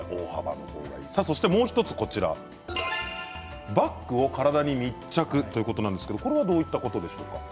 もう１つバッグを体に密着ということなんですがどういったことですか。